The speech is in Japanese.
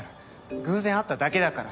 偶然会っただけだから。